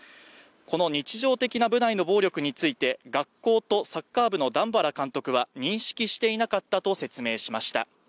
この日常的な部内の暴力について学校とサッカー部の段原監督は認識していなかったと説明しました。